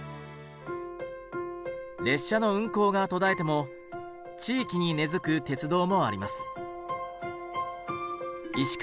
列車の運行が途絶えても地域に根づく鉄道もあります。